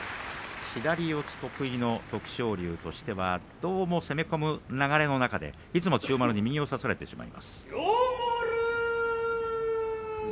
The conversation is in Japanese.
左四つ得意の徳勝龍としてはどうも攻め込む流れの中でいつも千代丸に右を差されてしまいます。